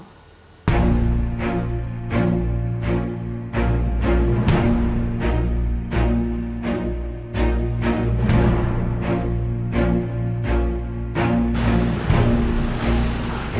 taman remaja surabaya